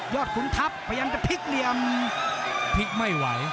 ขุนทัพพยายามจะพลิกเหลี่ยมพลิกไม่ไหว